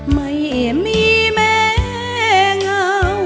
ไม่มีแม่งอ่ะ